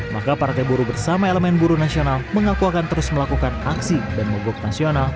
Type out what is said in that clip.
maka partai bumn bersama elemen bumn mengaku akan terus melakukan aksi dan mogok nasional